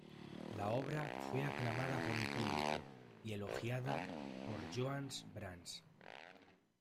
La obra fue aclamada por el público, y elogiada por Johannes Brahms.